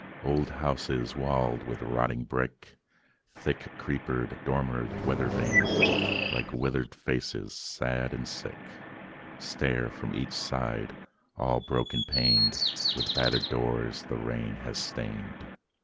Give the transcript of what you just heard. Old houses, walled with rotting brick, Thick creepered, dormered, weather vaned, Like withered faces, sad and sick, Stare from each side, all broken paned, With battered doors the rain has stained.